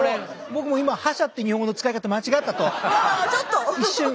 僕も今覇者って日本語の使い方間違ったと一瞬後悔してます。